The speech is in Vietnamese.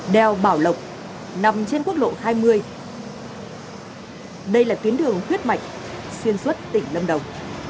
đèo bảo lộc nằm trên quốc lộ hai đây là tuyến đường huyết mạch xuyên suốt tỉnh lâm đồng